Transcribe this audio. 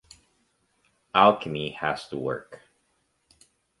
Alchemy has to work.